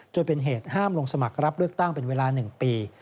จนเป็นเหตุห้ามลงสมัครรับเลือกตั้งเป็นเวลา๑ปี